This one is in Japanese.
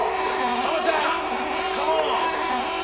ハマちゃんカモン！